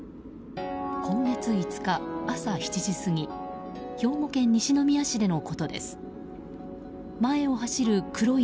今月５日、朝７時過ぎ兵庫県西宮市でのことです。